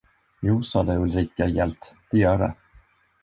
Jo, sade Ulrika gällt, det gör det.